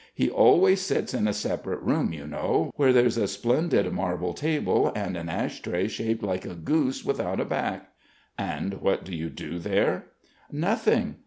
He always sits in a separate room, you know, where there's a splendid marble table and an ash tray shaped like a goose without a back...." "And what do you do there?" "Nothing!